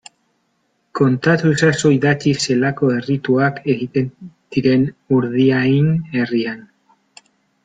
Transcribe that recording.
Kontatu ezazu idatziz zelako errituak egiten diren Urdiain herrian.